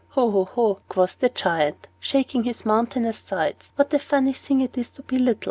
"Ho! ho! ho!" quoth the Giant, shaking his mountainous sides. "What a funny thing it is to be little!